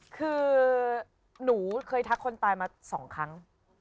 คือหนูเคยทักคนตายมา๒ครั้ง